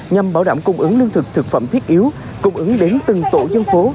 nhằm bảo đảm cung ứng lương thực thực phẩm thiết yếu cung ứng đến từng tổ dân phố